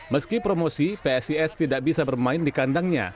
meski promosi psis tidak bisa bermain di kandangnya